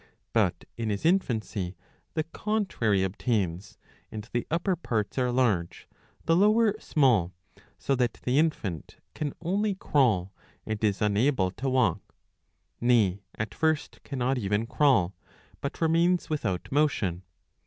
But in his infancy the contrary obtains, and the upper parts are large, the lower small ; so that the infant can only crawl, and is unable to walk ; nay, at first cannot even crawl, but remains without motion.